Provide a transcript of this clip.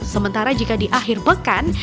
sementara jika di akhir pekan